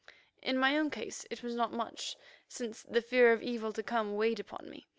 In my own case it was not much, since the fear of evil to come weighed upon me.